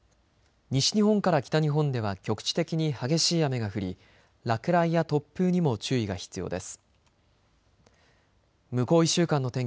西日本から北日本では局地的に激しい雨が降り落雷や突風にも注意が必要です。